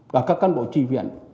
và các cán bộ tri viện